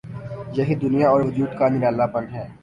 یہی دنیا اور وجود کا نرالا پن ہے۔